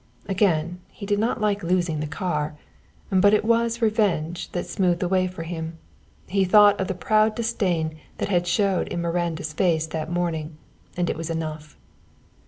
Again, he did not like losing the car. But it was revenge that smoothed the way for him. He thought of the proud disdain that had shown in Miranda's face that morning, and it was enough.